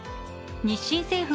日清製粉